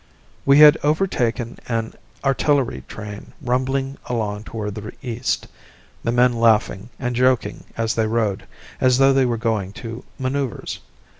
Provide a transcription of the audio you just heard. We had overtaken an artillery train rumbling along toward the east, the men laughing and joking as they rode, as though they were going to manoeuvres.